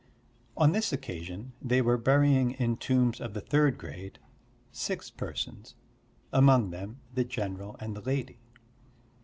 On this occasion they were burying in tombs of the third grade six persons, among them the general and the lady.